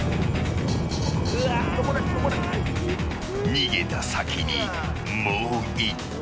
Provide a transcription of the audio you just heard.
逃げた先にもう１体。